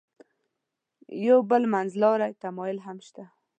یو بل منځلاری تمایل هم شته.